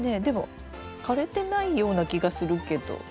でも枯れてないような気がするけど。